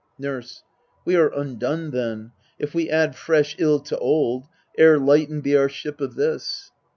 Nurse. We are undone then, if we add fresh ill To old, ere lightened be our ship of this.